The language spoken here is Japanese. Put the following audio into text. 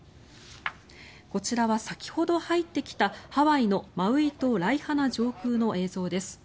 こちらは先ほど入ってきたハワイのマウイ島ラハイナ上空の映像です。